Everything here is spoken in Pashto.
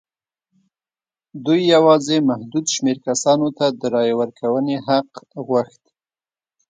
دوی یوازې محدود شمېر کسانو ته د رایې ورکونې حق غوښت.